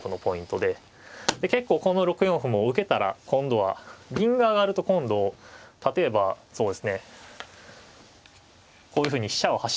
結構この６四歩も受けたら今度は銀が上がると今度例えばそうですねこういうふうに飛車を走ったりした時にですね